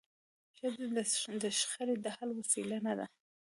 ښځه د شخړي د حل وسیله نه ده.